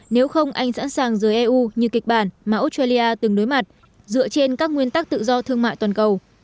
nếu không anh sẵn sàng rời eu như kịch bản mà australia từng đối mặt dựa trên các nguyên tắc tự do thương mại toàn cầu